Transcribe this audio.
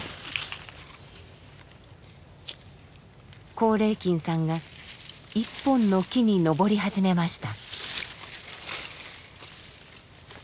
光礼金さんが一本の木に登り始めました。